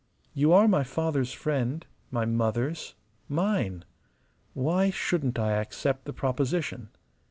You are my father's friend, my mother's, mine. Why shouldn't I accept the proposition?